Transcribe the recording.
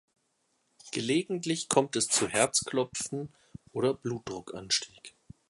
Gelegentlich kommt es zu Herzklopfen oder Blutdruckanstieg.